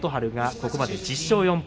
ここまで１０勝４敗